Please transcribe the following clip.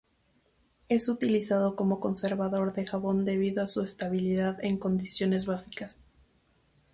Es utilizado como conservador de jabón debido a su estabilidad en condiciones básicas.